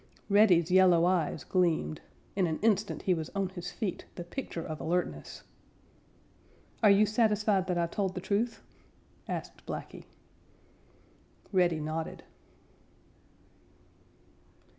Reddy's yellow eyes gleamed. In an instant he was on his feet, the picture of alertness. "Are you satisfied that I told the truth?" asked Blacky. Reddy nodded.